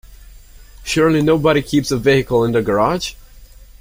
Surely nobody keeps a vehicle in their garage?